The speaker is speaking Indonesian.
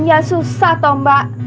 ya susah toh mbak